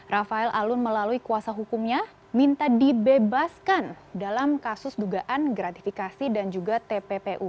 rafael alun melalui kuasa hukumnya minta dibebaskan dalam kasus dugaan gratifikasi dan juga tppu